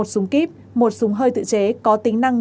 một súng kíp một súng hơi tự chế có tính năng